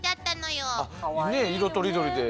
ねえ色とりどりで。